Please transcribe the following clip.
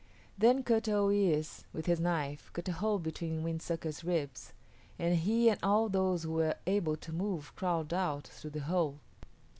Then Kut o yis´, with his knife, cut a hole between Wind Sucker's ribs, and he and all those who were able to move crawled out through the hole.